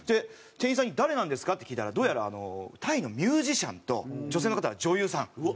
店員さんに「誰なんですか？」って聞いたらどうやらタイのミュージシャンと女性の方は女優さん。